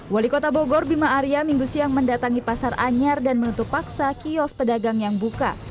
wali kota bogor bima arya minggu siang mendatangi pasar anyar dan menutup paksa kios pedagang yang buka